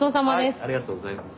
ありがとうございます。